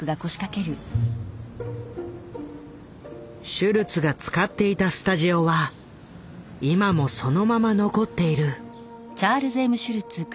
シュルツが使っていたスタジオは今もそのまま残っている。